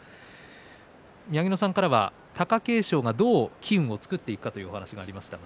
宮城野さんからは貴景勝が機運を作っていくかという話がありました。